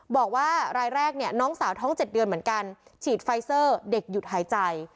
บอกว่ารายแรกเนี่ยน้องสาวท้อง๗เดือนเหมือนกันฉีดไฟเซอร์เด็กหยุดหายใจ